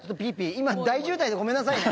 今大渋滞でごめんなさいね。